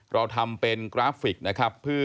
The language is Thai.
เราทำเป็นกราฟิกนะครับ